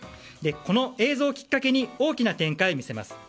この映像をきっかけに大きな展開を見せます。